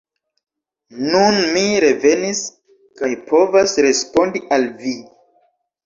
Nun mi revenis kaj povas respondi al vi.